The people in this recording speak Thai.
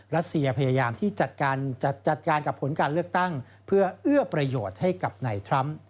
รัสเซียพยายามที่จัดการกับผลการเลือกตั้งเพื่อเอื้อประโยชน์ให้กับนายทรัมป์